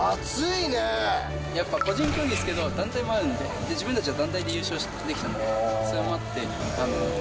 やっぱ個人競技ですけど、団体もあるんで、自分たちは団体で優勝できたんで、それもあって。